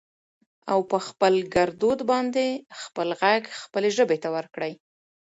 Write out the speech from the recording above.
او په خپل ګردود باندې خپل غږ خپلې ژبې ته ورکړٸ